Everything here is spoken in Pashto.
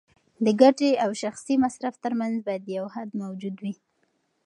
د ګټې او شخصي مصرف ترمنځ باید یو حد موجود وي.